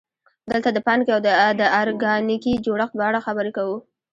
دلته د پانګې د ارګانیکي جوړښت په اړه خبرې کوو